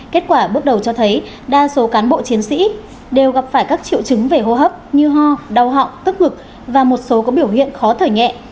kết quả bước đầu cho thấy đa số cán bộ chiến sĩ đều gặp phải các triệu chứng về hô hấp như ho đau họng tức ngực và một số có biểu hiện khó thở nhẹ